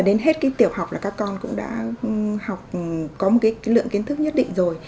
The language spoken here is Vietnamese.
đến hết tiểu học là các con cũng đã học có một lượng kiến thức nhất định rồi